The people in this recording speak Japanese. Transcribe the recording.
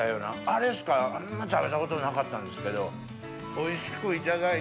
あれしかあんま食べたことなかったんですけど。